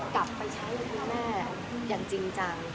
กลับไปใช้ให้คุณแม่อย่างจริงจัง